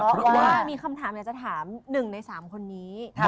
เพราะว่ามีคำถามเนี่ยจะถามหนึ่งในสามคนนี้